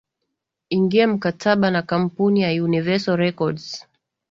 ingia mkataba na kampuni ya universal records